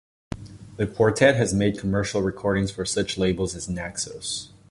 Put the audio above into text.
The quartet has made commercial recordings for such labels as Naxos.